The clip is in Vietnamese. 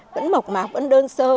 vẫn mộc mạc vẫn đơn sơ